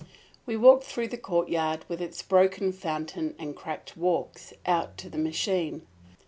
We walked through the courtyard, with its broken fountain and cracked walks, out to the machine.